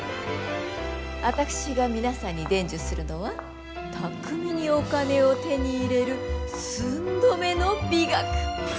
私が皆さんに伝授するのは巧みにお金を手に入れる寸止めの美学。